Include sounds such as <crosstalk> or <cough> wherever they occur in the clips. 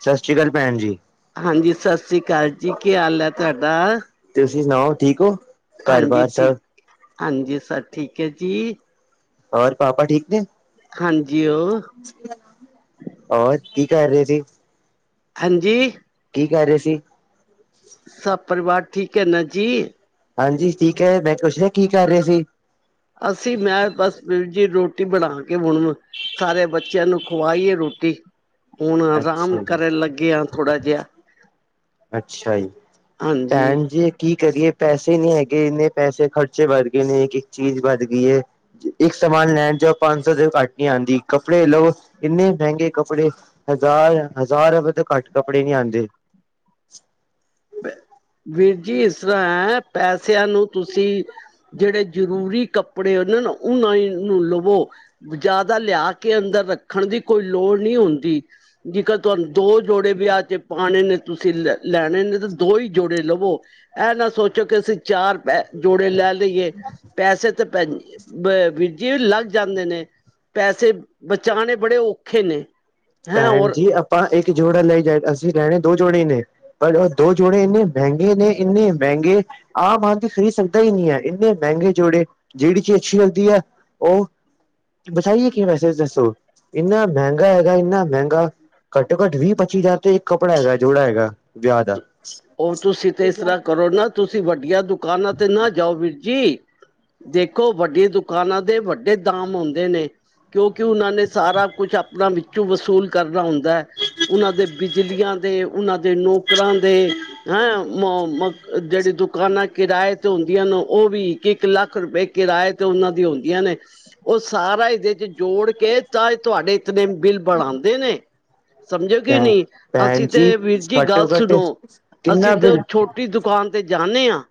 ਸਤਿ ਸ਼੍ਰੀ ਅਕਾਲ ਭੈਣ ਜੀ, ਹਾਂਜੀ ਸਤਿ ਸ੍ਰੀ ਅਕਾਲ ਜੀ ਕੀ ਹਾਲ ਹੈ ਤੁਹਾਡਾ। ਤੁਸੀਂ ਸੁਣਾਓ ਠੀਕ ਹੋ। ਘਰ ਹਾਂਜੀ ਬਾਰ ਠੀਕ ਸਭ ਹਾਂਜੀ ਸਭ ਠੀਕ ਹੈ ਜੀ। ਹੋਰ ਪਾਪਾ ਠੀਕ ਨੇ। ਹਾਂਜੀ ਉਹ ਹੋਰ ਕੀ। ਕਰ ਰਹੇ ਸੀ। ਹਾਂਜੀ ਕੀ ਕਹਿ ਰਹੇ ਸੀ। ਸੱਤ ਪਰਿਵਾਰ ਠੀਕ ਹੈ ਨਾ ਜੀ। ਹਾਂਜੀ ਠੀਕ ਹੈ ਮੈਂ ਪੁੱਛ ਰਿਹਾ ਕੀ ਕਰ ਰਹੇ ਸੀ। ਅਸੀਂ ਮੈਂ ਬਸ ਬੀਰ ਜੀ ਰੋਟੀ ਬਣਾ ਕੇ ਮੁਣ ਸਾਰੇ ਬੱਚਿਆਂ ਨੂੰ ਖਵਾਈਏ ਰੋਟੀ। ਹੁਣ ਆਰਾਮ ਅੱਛਾ ਜੀ ਕਰਨ ਲੱਗੇ ਆ ਥੋੜ੍ਹਾ ਜਿਹਾ ਅੱਛਾ ਜੀ ਹਾਂਜੀ। ਭੈਣ ਜੀ ਕੀ ਕਰੀਏ ਪੈਸੇ ਨਹੀਂ ਹੈਗੇ ਇੰਨੇ ਪੈਸੇ ਖਰਚੇ ਵੱਧ ਗਏ ਨੇ ਇੱਕ ਇੱਕ ਚੀਜ਼ ਵੱਧ ਗਈ ਹੈ ਇੱਕ ਸਮਾਨ ਲੈਣ ਜਾਓ ਪੰਜ ਸੌ ਤੋਂ ਘੱਟ ਨਹੀਂ ਆਦੀ ਕੱਪੜੇ ਲਓ ਇੰਨੇ ਮਹਿੰਗੇ ਕੱਪੜੇ। ਹਜ਼ਾਰ ਹਜ਼ਾਰ ਰੁਪਏ ਤੋਂ ਘੱਟ ਕੱਪੜੇ ਨੀ ਆਉਂਦੇ ਵੀਰ ਜੀ ਇਸ ਤਰ੍ਹਾਂ ਹੈ ਪੈਸਿਆਂ ਨੂੰ ਤੁਸੀਂ ਜਿਹੜੇ ਜ਼ਰੂਰੀ ਕੱਪੜੇ ਉਹਦੇ ਨਾ ਉਹਨਾਂ ਨੂੰ ਲਵੋ ਜ਼ਿਆਦਾ ਲਿਆ ਕੇ ਅੰਦਰ ਰੱਖਣ ਦੀ ਕੋਈ ਲੋੜ ਨਹੀਂ ਹੁੰਦੀ ਜੇਕਰ ਤੁਹਾਨੂੰ ਦੋ ਜੋੜੇ ਵਿਆਹ ਚ ਪਾਣੇ ਨੇ ਤੁਸੀਂ ਲ ਲੈਣੇ ਨੇ ਦੋ ਹੀ ਜੋੜੇ ਲਵੋ ਇਹ ਨਾ ਸੋਚੋ ਕਿ ਅਸੀਂ ਚਾਰ ਪੈ ਜੋੜੇ ਲੈ ਲ ਲਈਏ ਪੈਸੇ ਤਾਂ ਪੈ ਜੇ ਵੀ ਲੱਗ ਜਾਂਦੇ ਨੇ ਪੈਸੇ ਬਚਾਉਣੇ ਬੜੇ ਔਖੇ ਨੇ ਹੈਂ ਭੈਣ ਔਰ ਜੀ ਆਪਾਂ ਇੱਕ ਜੋੜਾ ਲੈ ਜਾ ਅਸੀਂ ਲੈਣੇ ਦੋ ਜੋੜੇ ਨੇ ਪਰ ਉਹ ਦੋ ਜੋੜੇ ਇੰਨੇ ਮਹਿੰਗੇ ਨੇ ਇੰਨੇ ਮਹਿੰਗੇ ਆਮ ਆਾਨ ਦੀ ਖਰੀਦ ਸਕਦਾ ਹੀ ਨਹੀਂ ਹੈ ਇੰਨੇ ਮਹਿੰਗੇ ਜੋੜੇ ਜਿਹੜੀ ਚੀ ਅੱਛੀ ਲੱਦੀ ਹੈ ਉਹ ਬਤਾਾਈਏ ਕਿ ਮੈਸੇਜ ਦੱਸੋ ਇੰਨਾ ਮਹਿੰਗਾ ਹੈਗਾ ਇੰਨਾ ਮਹਿੰਗਾ ਘੱਟੋ ਘੱਟ ਵੀਹ ਪੱਚੀ ਹਜ਼ਾਰ ਤੇ ਇੱਕ ਕੱਪੜਾ ਹੈਗਾ ਜੋੜਾ ਹੈਗਾ ਵਿਆਹ ਦਾ ਉਹ ਤੁਸੀਂ ਤੇ ਇਸ ਤਰ੍ਹਾਂ ਕਰੋ ਨਾ ਤੁਸੀਂ ਵੱਡੀਆਂ ਦੁ ਦੁਕਾਨਾਂ ਤੇ ਨਾ ਜਾਓ ਵੀਰਜੀੀ ਦੇਖੋ ਵੱਡੇ ਦੁਕਾਨਾਂ ਦੇ ਵੱਡੇ ਦਾਮ ਆਉਂਦੇ ਨੇ ਕਿਉਂਕਿ ਉਹਨਾਂ ਨੇ ਸਾਰਾ ਕੁਛ ਆਪਣਾ ਵਿੱਚੋਂ ਵਸੂਲ ਕਰਨਾ ਹੁੰਦਾ ਉਹਨਾਂ ਦੇ ਬਿਜਲੀਆਂ ਦੇ ਉਹਨਾਂ ਦੇ ਨੌਕਰਾਂ ਦੇ ਹੈਂ ਮ ਮ ਜਿਹੜੀ ਦੁਕਾਨਾਂ ਕਿਰਾਏ ਤੇ ਹੁੰਦੀਆਂ ਨੇ ਉਹ ਵੀ ਇੱਕ ਇੱਕ ਲੱਖ ਰੁਪਏ ਕਿਰਾਏ ਤੇ ਉਹਨਾਂ ਦੀ ਹੁੰਦੀਆਂ ਨੇ ਉਹ ਸਾਰਾ ਇਹਦੇ ਚ ਜੋੜ ਕੇ ਤਾਂ ਤੁਹਾਡੇ ਬਿੱਿਲ ਬਣਾਉਂਦੇ ਨੇ ਸਮਝੋ ਕਿ ਭੈਣ ਨਹੀਂੀ ਭੈਣ ਅਸੀਂ ਜੀ ਤੇ ਵੀਰ ਜੀ ਗੱਲ ਘੱਟੋ ਘੱਟ ਸੁਣੋ ਅਸੀਂ ਕਿੰਨਾ ਤੇ ਬਿੱਲ ਛੋਟੀ ਦੁਕਾਨ ਤੇ ਜਾਂਦੇ ਹਾਂ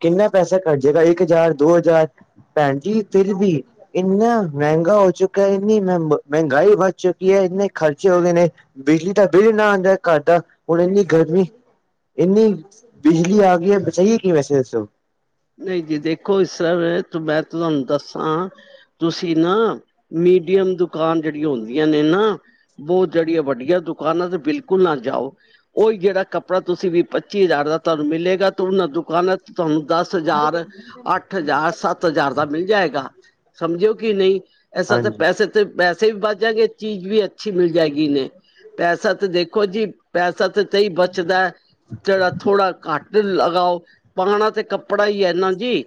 ਕਿੰਨਾ ਪੈਸਾ ਘੱਟ ਜਾੇਗਾ ਇੱਕ ਹਜ਼ਾਰ ਦੋ ਹਜ਼ਾਰ ਭੈਣ ਜੀ ਫਿਰ ਵੀ ਇੰਨਾ ਮਹਿੰਗਾ ਹੋ ਚੁੱਕਾ ਹੈ ਇੰਨੀ ਮਹ ਮਹਿੰਗਾਈ ਵੱਧ ਚੁੱਕੀ ਹੈ ਇੰਨੇ ਖਰਚੇ ਹੋ ਗਏ ਨੇ ਬਿਜਲੀ ਦਾ ਬਿੱਲ ਨਾ ਆਉਂਦਾ ਘਟਦਾ ਹੁਣ ਇੰਨੀ ਗਰਮੀ ਇੰਨੀ ਬਿਜਲੀ ਆ ਗਈ ਹੈ ਸਹੀ ਕਿ ਵੈਸੇ ੋਂ ਨਹੀਂ ਜੀ ਦੇਖੋ ਇਸ ਤਰ ਮੈਂ ਤੁਹਾਨੂੰ ਦੱਸਾਂ ਤੁਸੀਂ ਨਾ ਮੀਡੀਅਮ ਦੁਕਾਨ ਜਿਹੜੀਆਂ ਹੁੰਦੀਆਂ ਨੇ ਨਾ ਬਹੁਤ ਜਿਹੜੀ ਆ ਵੱੀਆ ਦੁਕਾਨ ਆ ਤੇ ਬਿਲਕੁਲ ਨਾ ਜਾਓ ਉਹੀ ਜਿਹੜਾ ਕੱਪੜਾ ਤੁਸੀਂ ਵੀ ਪੱਚੀ ਹਜ਼ਾਰ ਦਾ ਤੁਹਾਨੂੰ ਮਿਲੇਗਾ ਤੇ ਉਹਨਾਂ ਦੁਕਾਨਾਂ ਚ ਤੁਹਾਨੂੰ ਦੱਸ ਦ ਹਜ਼ਾਰ ਅੱਠ ਹਜ਼ਾਰ ਸੱਤ ਹਜ਼ਾਰ ਦਾ ਮਿਲ ਜਾਏਗਾ ਸਮਝੋ ਕਿ ਨਹੀਂ ਇਸਸਾ ਤਾਂ ਹਾਂਜੀ ਪੈਸੇ ਤੇ ਪੈਸੇ ਪੈਸੇ ਵੀ ਵਚ ਜਾਂਗੇ ਚੀਜ਼ ਵੀ ਅੱਛੀ ਮਿਲ ਜਾਏਗੀ ਨੇ ਪੈਸਾ ਤਾਂ ਦੇਖੋ ਜੀ ਪੈਸਾ ਤਾਂ ਤੇ ਹੀ ਬਚਦਾ ਜਿਹੜਾ ਥੋੜਾ ਘੱਟ ਲਗਾਓ ਪਾਣਾ ਤੇ ਕੱ ਪੜ੍ਹਾਈ ਹੈ ਇਹਨਾ ਜੀ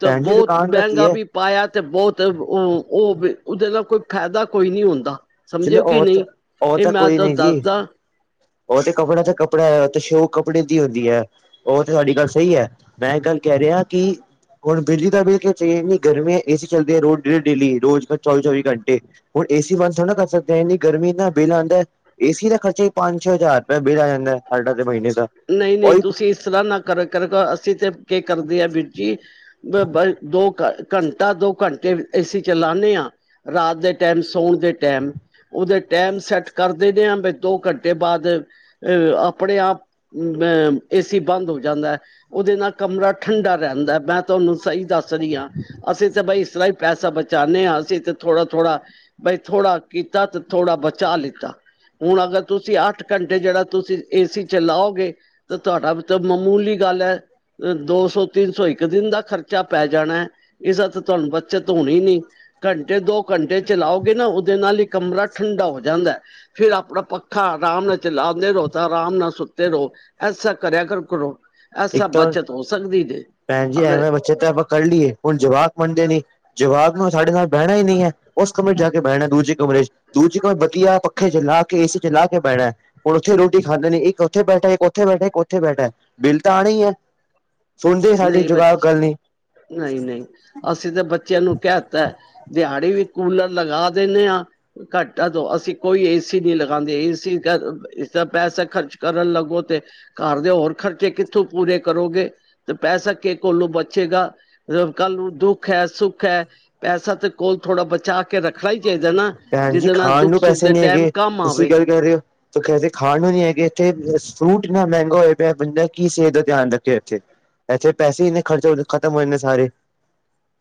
ਤਾਂ ਭੈਣ ਜੀ ਬਹੁਤ ਦੁਕਾਨ ਦਾ ਕੀ ਮੈਂਗਾ ਹੈ ਵੀ ਪਾਇਆ ਤੇ ਬਹੁਤ ਉਹ ਉਹ ਉਹਦੇ ਨਾਲ ਕੋਈ ਫਾਇਦਾ ਕੋਈ ਨੀ ਹੁੰਦਾ ਸਮਝੇ ਚਲੋ ਕਿ ਉਹ ਤਾਂ ਨਹੀਂ ਉਹ ਇਹ ਤਾਂ ਮੈਂ ਕੋਈ ਤੁੂੰ ਨੀ ਜੀ ਦੱਸਦਾ ਉਹ ਤੇ ਕੱਪੜਾ ਤੇ ਕੱਪੜਾ ਹੈ ਤੇ ਸ਼ੋ ਕੱਪੜੇ ਦੀ ਹੁੰਦੀ ਹੈ ਉਹ ਤੇ ਸਾਡੀ ਗੱਲ ਸਹੀ ਹੈ ਮੈਂ ਇਹ ਗੱਲ ਕਹਿ ਰਿਹਾ ਕਿ ਹੁਣ ਬਿਜਲੀ ਦਾ ਬਿੱਿਲ ਕੇਹੀੀ ਗਰਮੀੀਆਂ ਏ ਸੀ ਚੱਲਦੀ ਹੈ ਰੋਜ਼ ਡੇਲੀ ਡੇਲੀ ਰੋਜ਼ ਚੌਵੀ ਚੌਵੀ ਘੰਟੇ ਹੁਣ ਏਸੀ ਬੰ ੋ ਨਾ ਦੇ ਹਦੀ ਗਰਮੀ ਨਾਲ ਬਿੱਲ ਆਉਂਦਾ ਏਸੀ ਦਾ ਖਰਚਾ ਹੀ ਪੰਜ ਛੇ ਹਜ਼ਾਰ ਰੁਪਏ ਬਿੱਲ ਆ ਜਾਂਦਾ ਸਾਡਾ ਤੇ ਮਹੀਨੇ ਦਾ ਨਹੀਂ ਨਹੀਂ ਉਹੀ ਤੁਸੀਂ ਇਸ ਤਰ੍ਹਾਂ ਨਾ ਕਰ ਕਰ ਅਸੀਂ ਤੇ ਕੀ ਕਰਦੇ ਹ ਵੀਰਜੀ ਦੋ ਘੰਟਾ ਦੋ ਘੰਟੇ ਅਏਸੀਂ ਚਲਾਉਦੇ ਹਾਂ ਰਾਤ ਦੇ ਟੈਮ ਸੌਣ ਦੇ ਟੈਮ ਉਹਦੇ ਟੈਮ ਸੈੱਟ ਕਰ ਦਦੇ ਹ ਬ ਦੋ ਘੰਟੇ ਬਾਅਦ ਅਹ ਆਪਣੇ ਆਪ ਅ ਏਸੀ ਬੰਦ ਹੋ ਜਾਂਦਾ ਹੈ ਉਹਦੇ ਨਾਲ ਕਮਰਾ ਠੰਡਾ ਰਹਿੰਦਾ ਮੈਂ ਤੁਹਾਨੂੰ ਸਹੀ ਦੱਸ ਦੱਸ ਰਹੀ ਹਾਂ ਅਸੀਂ ਤਾਂ ਬਾਈ ਇਸਲਾ ਪੈਸਾ ਬਚਾਉਂਦੇ ਹਾਂ ਅਸੀਂ ਤੇ ਥੋੜਾ ਥੋੜਾ ਬਈ ਥੋੜਾ ਕੀਤਾ ਤੇ ਥੋੜਾ ਬਚਾ ਲਿੱਤਾ ਹੁਣ ਅਗਰ ਤੁਸੀਂ ਅੱਠ ਘੰਟੇ ਜਿਹੜਾ ਤੁਸੀਂ ਏਸੀ ਚ ਲਓਗੇ ਤਾਂ ਤੁਹਾਡਾ ਤਾਂ ਮਾਮੂਲੀ ਗੱਲ ਹੈ ਦੋ ਸੌ ਤਿੰਨ ਸੌ ਇੱਕ ਦਿਨ ਦਾ ਖਰਚਾ ਪੈ ਜਾਣਾ ਹੈ ਇਸਦਾ ਤਾਂ ਤੁਹਾਨੂੰ ਬੱਚਤ ਹੋਣੀ ਨੀ ਘੰਟੇ ਦੋ ਘੰਟੇ ਚਲਾਓਗੇ ਨਾ ਉਹਦੇ ਨਾਲ ਇੱਕ ਕਮਰਾ ਠੰਡਾ ਹੋ ਜਾਂਦਾ ਫਿਰ ਆਪਣਾ ਪੱਖਾ ਆਰਾਮ ਨਾਲ ਚਲਾਉਂਦੇ ਰੋਤਾ ਆਰਾਮ ਨਾਲ ਸੁੱਤੇ ਰਹੋ ਐਸਾ ਕਰਿਆ ਕਰ ਕਰੋ ਇੱਕ ਐਸਾ ਤਾਂ ਬੱਚਤ ਹੋ ਸਕਦੀ ਜੇ ਭੈਣ ਜੀ ਅਗਰ ਐਵੇਂ ਬੱਚੇ ਤਾਂ ਆਪਾਂ ਕਰ ਲਈਏ ਹੁਣ ਜਵਾਕ ਮੰਨਦੇ ਨੀ ਜਵਾਬ ਨੂੰ ਸਾਡੇ ਨਾਲ ਬਹਿਣਾ ਹੀ ਨਹੀਂ ਹੈ ਉਸ ਕਮਰੇ ਚ ਜਾ ਕੇ ਬਹਿਣਾ ਦੂਜੇ ਕਮਰੇ ਚ ਦੂਜੀੇ ਕਮਰੇ ਵਤੀਆ ਪੱਖੇ ਚ ਲਾ ਕੇ ਏ ਚ ਲਾ ਕੇ ਬਹਿਣਾ ਹੁਣ ਉੱਥੇ ਰੋਟੀ ਖਾਂਦੇ ਨੇ ਇੱਕ ਉੱਥੇ ਬੈਠਾ ਇੱਕ ਉੱਥੇ ਬੈਠਾ ਇੱਕ ਉੱਥੇ ਬੈਠਾ ਬਿੱਲ ਤਾਂ ਆਉਣਾ ਹੀ ਹੈ ਸੁਣਦੇ ਸਾਡੀ ਨਹੀਂ ਜੁਗਾੜ ਬੱਚੇ ਗੱਲ ਨੀ ਨਹੀਂ ਨਹੀਂ ਅਸੀਂ ਤਾਂ ਬੱਚਿਆਂ ਨੂੰ ਕਹਿ ਦਿੱਤਾ ਦਿਹਾੜੀ ਵੀ ਕੂਲਰ ਲਗਾ ਦਿੰਦੇ ਹਾਂ ਘਾਟਾ ਤੋਂ ਅਸੀਂ ਕੋਈ ਏਸੀ ਨੀ ਲਗਾਉਂਦੇ ਏਸੀਦਾ ਪੈਸਾ ਖਰਚ ਕਰਨ ਲੱਗੋ ਤੇ ਘਰ ਦੇ ਹੋਰ ਖਰਚੇ ਕਿੱਥੋਂ ਪੂਰੇ ਕਰੋਗੇ ਤੇ ਪੈਸਾ ਕਿਸ ਕੋਲੋਂ ਬਚੇਗਾ ਕੱਲ ਨੂੰ ਦੁੱਖ ਹੈ ਸੁੱਖ ਹੈ ਪੈਸਾ ਤੇ ਕੋਲ ਥੋੜਾ ਬਚਾ ਕੇ ਰੱਖਣਾ ਹੀ ਚਾਹੀਦਾ ਨਾ ਭੈਣ ਜੀ ਜਿਹਦੇ ਨਾਲ ਖਾਣ ਦੁੱਖ ਨੂੰ ਸੁੱਖ ਪੈਸੇ ਦੇ ਨੀ ਟਾਈਮ ਹੈਗੇ ਕੰਮ ਤੁਸੀਂ ਆਵੇ ਗੱਲ ਕਰ ਰਹੇ ਹੋੇ ਖਾਣ ਨੂੰ ਨੀ ਹੈਗੇ ਇੱਥੇ ਫਰੂਟ ਇੰਨਾ ਮਹਿੰਗਾ ਹੋਏ ਪਿਆ ਬਦਾ ਕੀ ਸਿਹਤ ਦਾ ਧਿਆਨ ਰੱਖੇ ਇੱਥੇ ਇਥੇ ਪੈਸੇ ਇੰਨੇ ਖ਼ਰਚੇ ਖਤਮ ਹੋ ਜਾਂਦੇ ਸਾਰੇ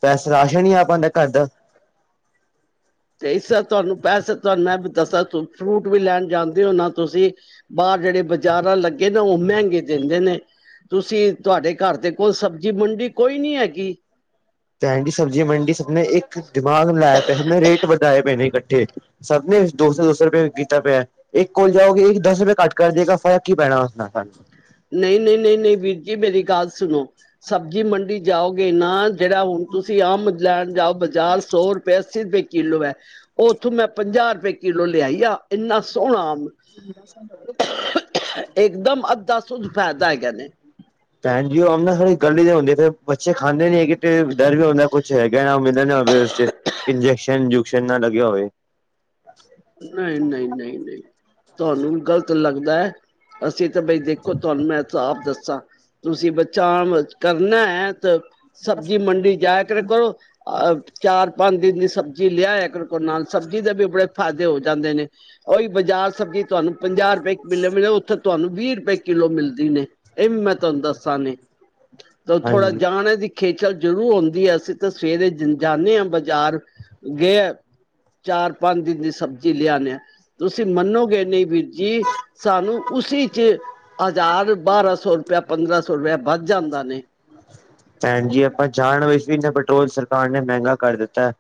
ਪੈਸ ਰਾਸ਼ਨ ਹੀ ਆ ਪਾਉਦਾ ਘਰ ਦਾ ਇਸ ਤੁਹਾਨੂੰ ਪੈਸੇ ਤੁਹਾਨੂੰ ਮੈਂ ਦੱਸ ਫਰੂਟ ਵੀ ਲੈਣ ਜਾਂਦੇ ਹੋ ਨਾ ਤੁਸੀਂ ਬਾਹਰ ਜਿਹੜੇ ਬਾਜ਼ਾਰਾਂ ਲੱਗੇ ਨਾ ਉਹ ਮਹਿੰਗੇ ਦਿੰਦੇ ਨੇ ਤੁਸੀਂ ਤੁਹਾਡੇ ਘਰ ਦੇ ਕੋਲ ਸਬਜ਼ੀ ਮੰਡੀ ਕੋਈ ਨੀ ਹੈਗੀ ਭੈਣ ਜੀ ਸਬਜੀ ਮੰਡੀ ਸ ਨੇ ਇੱਕ ਦਿਮਾਗ ਲਾਇਆ ਪਿਆ ਨੇ ਰੇਟ ਵਧਾਏ ਪਏ ਨੇੱ ਸਭ ਨੇ ਦੋਸ ਦੋਸੌ ਰੁਪਏ ਕੀਤਾ ਪਿਆ ਇੱਕ ਕੋਲ ਜਾਓਗੇ ਇੱਕ ਦਸ ਰੁਪਏ ਘੱਟ ਕਰ ਦੇਗਾ ਫਰਕ ਕੀ ਪੈਣਾ ਉਸ ਨਾਲ ਸਾਨੂੰ ਨਹੀਂ ਨਹੀਂ ਨਹੀਂ ਨਹੀਂ ਵੀਰ ਜੀ ਮੇਰੀ ਗੱਲ ਸੁਣੋ ਸਬਜ਼ੀ ਮੰਡੀ ਜਾਓਗੇ ਨਾ ਜਿਹੜਾ ਹੁਣ ਤੁਸੀਂ ਆਮ ਜਾਨ ਜਾਓ ਬਾਜਾਰ ਸੌ ਰੁਪਏ ਸੀਧੇ ਕਿਲੋ ਹੈ ਉੱਥੋਂ ਮੈਂ ਪੰਜਾਹ ਰੁਪਏ ਕਿੱਲੋ ਲਿਆਈਆਂ ਇੰਹਨਾਂ ਸੋਹਣਾ। <unintelligible> ਇੱਕ ਦਮ ਅੱਧਾ <unintelligible> ਫਾਇਦਾ ਹੈਗਾ ਨੇ। ਭੈਣ ਜੀ ਉਹ ਆਮ ਨਾ ਸਾਲੀ ਗਲੀ ਹੂਈ ਹੁੰਦੀ ਹੈ ਕਈ ਵਾਰ ਬੱਚੇ ਖਾਂਦੇ ਨੀ ਹੈਗੇ। ਤੇ ਇਕ ਡਰ ਵੀ ਹੁੰਦਾ ਹੈ ਕੁਛ ਹੈਗੇ ਨੇ ਅੰਬ ਮਿਲਦੇ ਨੇਂ <unintelligible> ਇੰਜੈਕਸ਼ਨ ਉਂਜੁ ਸ਼ਨ ਨਾ ਲਗਿਆ ਹੋਵੇ ਨਹੀਂ-ਨਹੀਂ-ਨਹੀਂ-ਨਹੀਂ ਤੁਹਾਨੂੰ ਵੀ ਗ਼ਲਤ ਲੱਗ ਦ ਦਾ ਐ ਅੱਸੀ ਤੇ ਬਈ ਦੇਖੋ ਤੁਹਾਨੂੰ ਮੈਂ ਸਾਫ ਦੱਸ ਸਾਂ ਤੁਸੀ ਬੱਚਾ ਕਰਨਾ ਹੈ ਤੇ ਸਬਜੀ ਮੰਡੀ ਜਾ ਕੇ ਵੇਖੋ। ਆਪ ਚਾਰ ਪੰਜ ਦਿਨ ਦੀ ਸਬਜੀ ਲਿਆ ਕਰੋ ਘਰ ਨਾਲ ਸਬਜ਼ੀ ਦਾ ਵੀ ਬਹੁਤ ਫਾਇਦੇ ਹੋ ਜਾਂਦੇ ਨੇ ਉਹੀ ਬਾਜਾਰ ਸਬਜੀ ਤੁਹਾਨੂੰ ਪੰਜਾਹ ਰੁਪਏ ਮਿਲਨਗੇ ਉੱਥੇ ਤੁਹਾਨੂੰ ਵੀਹ ਰੁਪਏ ਕਿੱਲੋ ਮਿਲਦੀ ਨੇ ਇਹ ਵੀ ਮੈਂ ਤੁਹਾਨੂੰ ਦੱਸਾਂਗੀ। ਥੋ ਥੋੜਾ ਹਾਂਜੀ ਜਾਣੇ ਦੀ ਖਿ ਖੇਚਲ ਜ਼ਰੂਰ ਆਉਂਦੀ ਹੈ ਅਸੀ ਤੇ ਸੁਵਰੇ <unintelligible> ਜਾਣੇ ਏਂ ਬਾਜਾਰ ਗਏ ਚਾਰ ਪੰਜ ਦਿਨ ਦੀ ਸ ਸਬਜੀ ਲਿਆਣੇ ਆ ਤੁਸੀ ਮੰਨੋਗੇ ਨਹੀਂ ਵੀਰ ਜੀ ਸਾਨੂੰ ਉਸੀ ਚ ਹਜ਼ਾਰ ਬਾਰਾਂ ਸੌ ਰੁਪਿਆ ਪੰਦਰਾਂ ਸੌ ਰੁਪਿਆ ਵੱਧ ਜਾਂਦਾ ਨੇ। ਭੈਣ ਜੀ ਆਪਾਂ ਜਾਣ ਇਸ <unintelligible> ਤੇ ਪੈਟਰੋਲ ਸਰਕਾਰ ਨੇ ਮਹਿੰਗਾ ਕਰ ਦਿੱਤਾ ਹੈ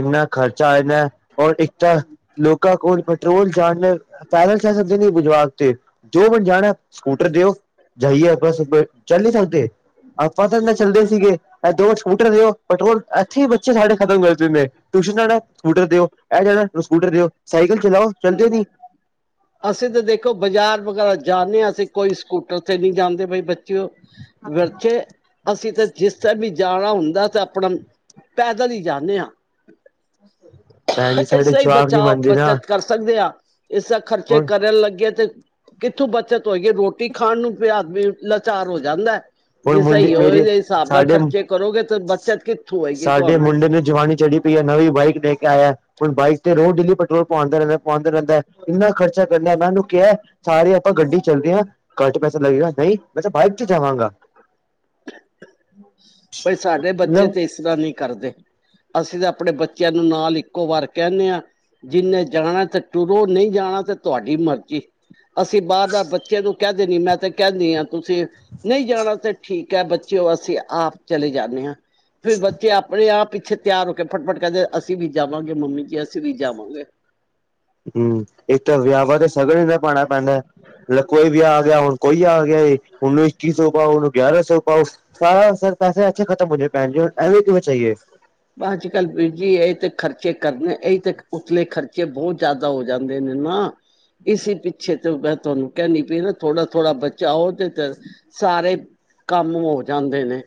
ਇੰਹਨਾ ਖਰਚਾ ਹੈਗਾ ਐ ਔਰ ਇੱਕ ਤਾਂ ਲੋਕਾਂ ਕੋਲ ਪੈਟਰੋਲ ਜਾਣ ਨਾਲ ਪੈਦਲ ਚਲ ਜਾਂਦੇ ਨੇ ਬਾਜ਼ਾਰ ਤੇ <unintelligible> ਜਾਣਾ ਸਕੂਟਰ ਦਿਓ ਜਾਈਏ <unintelligible> ਚੱਲ ਨੀ ਸਕਦੇ। ਆਪਾਂ ਤਾਂ ਇਹਨਾਂ ਚੱਲਦੇ ਸੀਗੇ ਇਹ ਦੋ ਸਕੂਟਰ ਦਿਓ ਪੈਟਰੋਲ ਇੱਥੇ ਹੀ ਬੱਚੇ ਸਾਡੇ ਖਤਮ ਕਰ ਦਿੰਦੇ ਟਿਊਸ਼ਨ ਜਾਣਾ ਹੈ ਸਕੂਟਰ ਦਿਓ ਇਹ ਜਾਣਾ ਸਕੂਟਰ ਦਿਓ ਸਾਈਕਲ ਚਲਾਓ ਚੱਲਦੇ ਨੀ ਅਸੀਂ ਤੇ ਦੇਖੋ ਬਾਜਾਰ ਵਗੈਰਾ ਜਾਨੇ ਹਾਂ ਅਸੀ ਕੋਈ ਸਕੂਟਰ ਤੇ ਨਹੀਂ ਜਾਂਦੇ ਬਈ ਬੱਚ ਚ <unintelligible> ਅਸੀਂ ਤੇ <unintelligible> ਵੀ ਜਾਣਾ ਹੁੰਦਾ ਤੇ ਆਪਣਾ ਪੈਦਲ ਹੀ ਜਾਨੇਂ ਹਾਂ। ਭੈਣ ਜੀ ਇਸ ਸਾਡੇ ਲਈ ਜਵਾਕ ਨੀ ਬਚਾਓ ਮੰਨਦੇ ਨਾ। ਬੱਚਤ ਕਰ ਸਕਦੇ ਹਾਂ। ਇਸ ਤਰਹਾਂ ਖਰਚੇ ਹੁਣ ਕਰਨ ਲੱਗੇ ਤੇ ਕਿੱਥੋਂ ਬੱਚਤ ਹੋਏਗੀ ਰੋਟੀ ਖਾਣ ਨੂੰ ਪਿਆ ਆਦਮੀ ਲਾਚਾਰ ਹੋ ਜਾਂਦਾ ਹੈ। ਹੁਣ ਜੇ ਮੁੰਡੇ ਸਹੀ ਹੋ ਮੇਰੇ ਇਹਦੇ ਹਿਸਾਬ ਨਾਲ ਸਾਡੇ ਖਰਚੇ ਕਰੋਗੇ ਤਾਂ ਸ ਬੱਚਤ ਕਿੱਥੋਂ ਹੋਏਗੀ ਸਾਡੇ ਤੁਹਾਨੂੰ ਮੁੰਡੇ ਨੂੰ ਜਵਾਨੀ ਚੜ੍ਹੀ ਪਈ ਹੈ ਨਵੀਂ ਬਾਈਕ ਵੈ ਕੇ ਆਇਆ ਹੈ ਹੁਣ ਬਾਈਕ ਤੇ ਰੋਜ ਡੇਲੀ ਪੈਟਰੋਲ ਪੁਵਾਂਦਾ ਰਹਿੰਦਾ ਹੈ ਪੁਵਾਂਦਾ ਰਹਿੰਦਾ ਹੈ ਇੰਨਾ ਖਰਚਾ ਕਰਦਾ ਹੈ ਮੈਂ ਉਹਨੂੰ ਕਿਹਾ ਹੈ ਸਾਰੇ ਆਪਾਂ ਗੱਡੀ ਚ ਚੱਲਦੇ ਹੈਂ ਘੱਟ ਪੈਸਾ ਲੱਗੇਗਾ ਨਹੀਂ ਮੈਂ ਤਾਂ ਬਾਈਕ ਤੇ ਜਾਵਾਂਗਾ। ਭਈ ਸਾਡੇ ਬੱਚੇ ਮਤਲਬ ਤੇ ਇਸ ਤਰਹਾਂ ਨਹੀਂ ਕਰਦੇ। ਅਸੀਂ ਤੇ ਆਪਣੇ ਬੱਚਿਆਂ ਨੂੰ ਨਾਲ ਇੱਕੋ ਵਾਰ ਕਹਿੰਨੇਂ ਹਾਂ ਜਿੰਨੇ ਜਾਣਾ ਤੇ ਤੁਰੋ ਨਹੀਂ ਜਾਣਾ ਤੇ ਤੁਹਾਡੀ ਮਰਜ਼ੀ ਅਸੀਂ ਵਾਰ ਵਾਰ ਬੱਚਿਆਂ ਨੂੰ ਕਹਿਦੇਂ ਨੀ ਮੈਂ ਤੇ ਕਹਿੰਦੀ ਹਾਂ ਤੁਸੀ ਨਹੀਂ ਜਾਣਾ ਤੇ ਠੀਕ ਹੈ ਬੱਚਿਓ ਅਸੀ ਆਪ ਚਲੇ ਜਾਂਨੇਂ ਹਾਂ। ਫੇਰ ਬੱਚੇ ਆਪਣੇ ਆਪ ਪਿੱਛੇ ਤਿਆਰ ਹੋ ਕੇ ਫਟਫਟ ਕਹਿੰਦੇ ਅਸੀਂ ਵੀ ਜਾਵਾਂਗੇ ਮੰਮੀ ਜੀ ਅਸੀਂ ਵੀ ਜਾਵਾਂਗੇ ਹਮ ਇੱਕ ਤਾਂ ਵਿਆਹਾਂ ਤੇ ਸਗਨ ਇੰਨਾ ਪਾਉਣਾ ਪੈਂਦਾ ਮਤਲਬ ਕੋਈ ਵੀ ਆ ਗਿਆ ਹੁਣ ਕੋਈ ਆ ਗਿਆ ਉਹਨੂੰ ਇੱਕੀ ਸੌ ਪਾਓ ਉਹਨੂੰ ਗਿਆਰਾਂ ਸੌ ਪਾਓ ਸਾਰਾ ਸਰ ਪੈਸੇ ਏਥੇ ਖਤਮ ਹੋ ਜਾਣੇ ਭੈਣ ਜੀ ਐਵੇਂ ਕਿਵੇਂ ਚਾਈਏ ਅੱਜ ਕੱਲ ਵੀਰ ਜੀ ਇਹੀ ਤੇ ਖਰਚੇ ਕਰਨੇ ਇਹੀ ਤੇ ਉਤਲੇ ਖਰਚੇ ਬਹੁਤ ਜ਼ਿਆਦਾ ਹੋ ਜਾਂਦੇ ਨੇ ਨਾ ਇਸ ਪਿੱਛੇ ਤੇ ਮੈਂ ਤੁਹਾਨੂੰ ਕਹਿਣੀ ਪਈ ਨਾ ਥੋੜਾ ਥੋੜ੍ਹਾ ਬਚਾਓ ਉਹ ਤੇ ਤੇ ਸਾਰੇ ਕੰਮ ਹੋ ਜਾਂਦੇ ਨੇ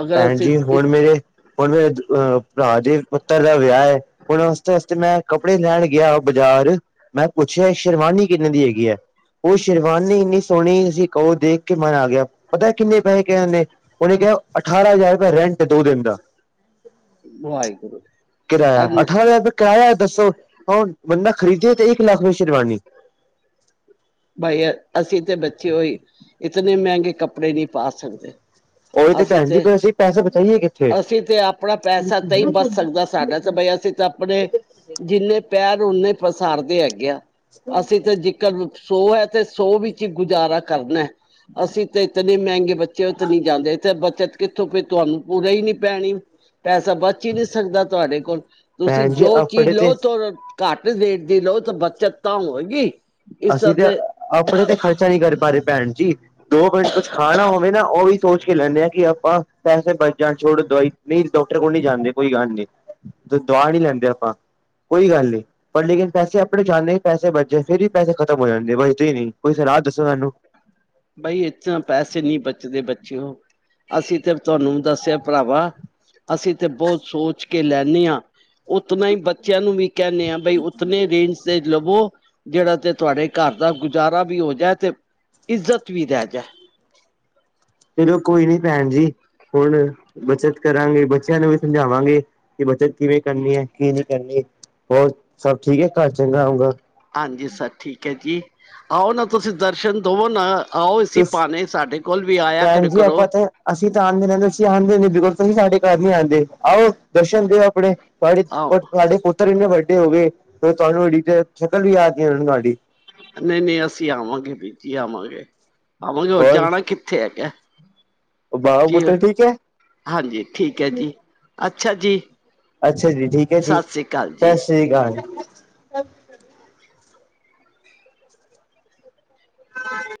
ਅਗਰ ਭੈਣ ਅਸੀਂ ਜੀ ਇਸ ਹੁਣ ਮੇਰੇ ਹੁਣ ਮੇਰੇ ਅ ਭਰਾ ਦੇ ਪੁੱਤਰ ਦਾ ਵਿਆਹ ਹੈ ਹੁਣ ਵਸਤੇ ਮੈਂ ਕੱਪੜੇ ਲੈਣ ਗਿਆ ਬਾਜ਼ਾਰ ਮੈਂ ਪੁੱਛਿਆ ਸ਼ੇਰਵਾਨੀ ਕਿੰਨੇ ਦੀ ਹੈਗੀ ਹੈ ਉਹ ਸ਼ੇਰਵਾਨੀ ਇੰਨੀ ਸੋਹਣੀ ਤੁਸੀਂ ਕਹੋ ਦੇਖ ਕੇ ਮਨ ਆ ਗਿਆ ਪਤਾ ਕਿੰਨੇ ਪੈਸੇ ਕਿਹਾ ਉਹਨੇ ਕਿਹਾ ਅਠਾਰਾਂ ਹਜ਼ਾਰ ਰੁਪਇਆ ਰੈਂਟ ਦੋ ਦਿਨ ਦਾ ਵਾਹਿਗੁਰੂ ਕਿਰਾਇਆ ਅਠਾਰਾਂ ਹਜ਼ਾਰ ਕਿਰਾਇਆ ਦੱਸੋ ਹੁਣ ਬੰਦਾ ਖਰੀਦੇ ਤੇ ਇੱਕ ਲੱਖ ਸ਼ੇਰਬਾਨੀ ਬਾਈ ਅਸੀਂ ਤੇ ਬੱਚੇ ਹੋਈ ਇਤਨੇ ਮਹਿੰਗੇ ਕੱਪੜੇ ਨਹੀਂ ਪਾ ਸਕਦੇ ਉਹੀ ਅਸੀਂ ਭੈਣ ਜੀ ਤੇ ਅਸੀਂ ਪੈਸੇ ਬਚਾਈਏ ਕਿੱਥੇ ਅਸੀਂ ਤੇ ਆਪਣਾ ਪੈਸਾ ਤਾਂ ਹੀ ਬਚ ਸਕਦਾ ਸਾਡਾ ਤੇ ਬਈ ਅਸੀਂ ਤਾਂ ਆਪਣੇ ਜਿੰਨੇ ਪੈਰ ਫਿਰ ਉਹਨੇ ਪਸਾਰਦੇ ਹੈਗੇ ਅਸੀਂ ਤਾਂ ਜਿਕਰ ਸੌ ਹੈ ਤੇ ਸੌ ਵਿੱਚ ਹੀ ਗੁਜ਼ਾਰਾ ਕਰਨਾ, ਅਸੀਂ ਤਾਂ ਇਤਨੇ ਮਹਿੰਗੇ ਬੱਚੇ ਉੱਥ ਨਹੀਂ ਜਾਂਦੇ ਬੱਚਤ ਕਿੱਥੋਂ, ਤੁਹਾਨੂੰ ਪੂਰੇ ਹੀ ਨੀ ਪੈਣੀ ਪੈਸਾ ਬਚ ਹੀ ਨਹੀਂ ਸਕਦਾ ਤੁਹਾਡੇ ਕੋਲ, ਤੁਸੀਂ ਭੈਣ ਜੀ ਜੋ ਚੀਜ਼ ਆਪਣੇ ਲਓ ਤੇ ਘੱਟ ਰੇਟ ਦੀ ਲੋਓ ਤਾਂ ਬੱਚਤ ਤਾਂ ਹੋਵੇਗੀ ਅਸੀਂ ਤੇ ਆਪਣੇ ਤੇ ਖ਼ਰਚਾ ਨਹੀਂ ਕਰ ਪਾ ਰਹੇ ਭੈਣ ਜੀ। ਦੋ ਮਿੰਟ ਕੁਛ ਖਾਣਾ ਹੋਵੇ ਨਾ ਉਹ ਵੀ ਸੋਚ ਕੇ ਲੈਂਦੇ ਹਾਂ ਕਿ ਆਪਾਂ ਪੈਸੇ ਬਚ ਜਾਂ ਛੋਡੋ ਦਵਾਈ ਨਹੀਂ ਡਾਕਟਰ ਕੋਲ ਨੀ ਜਾਂਦੇ ਕੋਈ ਗੱਲ ਨੀ, ਦਵਾ ਨਹੀਂ ਲੈਂਦੇ ਆਪਾਂ ਕੋਈ ਗੱਲ ਨੀ ਪਰ ਲੇਕਿਨ ਪੈਸੇ ਆਪਣੇ ਜਾਂਦੇ ਪੈਸੇ ਬਚੇ ਫਿਰ ਵੀ ਪੈਸੇ ਖਤਮ ਹੋ ਜਾਂਦੇ ਨੇ। ਬਚਦੇ ਹੀ ਨੀ। ਕੋਈ ਸਲਾਹ ਦੱਸੋ ਸਾਨੂੰ ਬਈ ਇਥਾਂ ਪੈਸੇ ਨਹੀਂ ਬਚਦੇ। ਬੱਚੇ ਅਸੀਂ ਤੇ ਤੁਹਾਨੂੰ ਦੱਸਿਆ ਭਰਾਵਾ ਅਸੀਂ ਤੇ ਬਹੁਤ ਸੋਚ ਕੇ ਲੈਂਨੇ ਹਾਂ ਉਤਨਾ ਹੀ ਬੱਚਿਆਂ ਨੂੰ ਵੀ ਕਹਿੰਦੇ ਆ ਬਈ ਉਤੇ ਰੇਂਜ ਤੇ ਲਵੋ। ਜਿਹੜਾ ਤੇ ਤੁਹਾਡੇ ਘਰ ਦਾ ਗੁਜ਼ਾਰਾ ਵੀ ਹੋ ਜਾਏ ਤੇ ਇੱਜ਼ਤ ਵੀ ਰਹਿ ਜਾਏ। ਚਲੋ ਕੋਈ ਨੀ ਭੈਣ ਜੀ, ਹੁਣ ਬੱਚਤ ਕਰਾਂਗੇ ਬੱਚਿਆਂ ਨੂੰ ਵੀ ਸਮਝਾਵਾਂਗੇ ਕਿ ਬੱਚਤ ਕਿਵੇਂ ਕਰਨੀ ਹੈ ਕੀ ਨਹੀਂ ਕਰਨੀ ਹੋਰ ਸਭ ਠੀਕ ਹੈ ਘਰ ਚੰਗਾ ਹੋਊਗਾ ਹਾਂਜੀ ਸਭ ਠੀਕ ਹੈ ਜੀ, ਆਓ ਨਾ ਤੁਸੀਂ ਦਰਸ਼ਨ ਦਵੋ ਨਾ। ਆਓ ਇਸੀ ਭਾਣੇ ਸਾਡੇ ਕੋਲ ਵੀ ਆਇਆ ਕਰ ਭੈਣ ਜੀ ਕਰੋ ਆਪਾਂ ਤੇ ਅਸੀਂ ਤਾਂ ਆਣਦੇ ਰਹਿੰਦੇ ਸੀ। ਆਂਦੇ ਨੀ ਬਿਲਕੁਲ ਤੁਸੀ ਸਾਡੇ ਘਰ ਨੀ ਆਉਂਦੇ ਆਓ ਦਰਸ਼ਨ ਦਿਓ ਆਪਣੇ ਆਓ ਤੁਹਾਡੇ ਪੁੱਤਰ ਹੀ ਨੇ ਬੈਠੇ ਹੋ ਗਏ ਫਿਰ ਤੁਹਾਨੂੰ ਐਡੀ ਤੇ ਸ਼ਕਲ ਵੀ ਯਾਦ ਨੀ ਰਹਿਣੀ ਸਾਡੀ ਨਹੀਂ- ਨਹੀਂ, ਅਸੀਂ ਆਵਾਂਗੇ ਵੀਰ ਜੀ ਆਵਾਂਗੇ। ਆਵਾਂਗੇ ਹੋਰ ਜਾਣਾ ਕਿੱਥੇ ਹੈਗਾ। ਉਹ ਬਾਵਾ ਜੀ ਪੁੱਤਰ ਠੀਕ ਹੈ। ਹਾਂਜੀ ਠੀਕ ਹੈ ਜੀ ਅੱਛਾ ਜੀ ਅੱਛਾ ਜੀ, ਠੀਕ ਹੈ ਜੀ, ਸ਼੍ਰੀ ਅਕਾਲ ਸਤਿ ਜੀ ਸ੍ਰੀ ਅਕਾਲ। ਸ ਹਾਂ